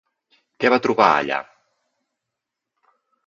Què va trobar allà?